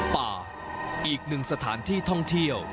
ป่าอีกหนึ่งสถานที่ท่องเที่ยว